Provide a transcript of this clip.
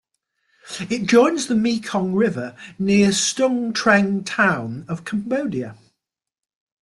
It joins the Mekong River near Stung Treng town of Cambodia.